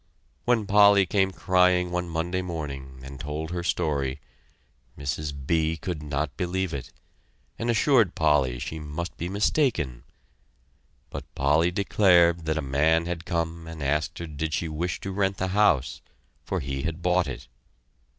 When Polly came crying one Monday morning and told her story, Mrs. B. could not believe it, and assured Polly she must be mistaken, but Polly declared that a man had come and asked her did she wish to rent the house for he had bought it.